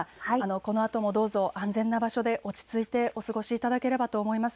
このあともどうぞ安全な場所で落ち着いてお過ごしいただければと思います。